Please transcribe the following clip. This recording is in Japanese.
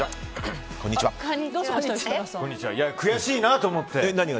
悔しいなと思って。